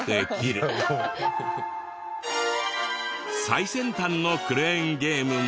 最先端のクレーンゲームも！